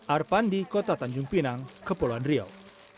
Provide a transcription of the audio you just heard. arpandi kota tanjung pinang kepulauan riau